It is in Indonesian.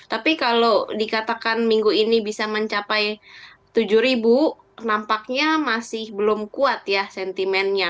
tapi kalau dikatakan minggu ini bisa mencapai tujuh ribu nampaknya masih belum kuat ya sentimennya